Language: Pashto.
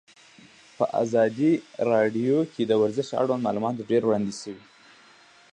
په ازادي راډیو کې د ورزش اړوند معلومات ډېر وړاندې شوي.